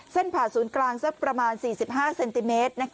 เส้นผ่าศูนย์กลางประมาณ๔๕เซนติเมตร